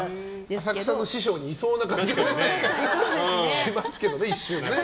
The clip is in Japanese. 浅草の師匠にいそうな感じがしますけどね。